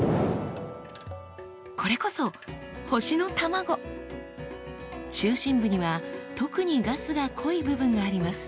これこそ中心部には特にガスが濃い部分があります。